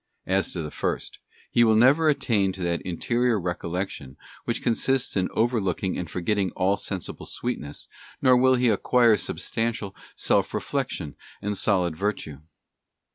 As to the first: he will never attain to that interior recollection which consists in overlooking and forgetting all sensible sweetness, nor will he acquire substantial self recollection, and solid virtue.